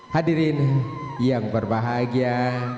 hadirin yang berbahagia